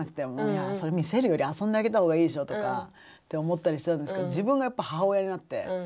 いやそれ見せるより遊んであげた方がいいでしょとかって思ったりしてたんですけど自分がやっぱ母親になってそんな暇はない。